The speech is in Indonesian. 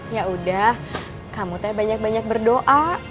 ya udah kamu teh banyak banyak berdoa